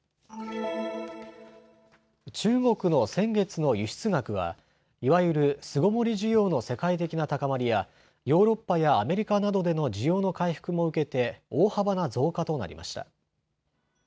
中国の先月の輸出額はいわゆる巣ごもり需要の世界的な高まりやヨーロッパやアメリカなどでの需要の回復も受けて大幅な増加となりました。